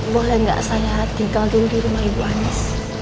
boleh gak saya tinggal dulu di rumah ibu anies